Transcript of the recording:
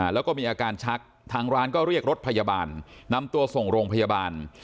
แล้วก็มีอาการชักทางร้านก็เรียกรถพยาบาลนำตัวส่งโรงพยาบาล